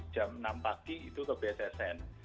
jam enam pagi itu ke bssn